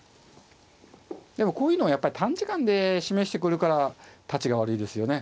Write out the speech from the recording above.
こういうのはやっぱり短時間で示してくるからたちが悪いですよね。